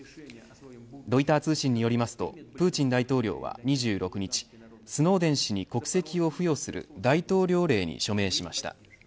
ロイター通信によりますとプーチン大統領は２６日スノーデン氏に国籍を付与する大統領令に署名しました。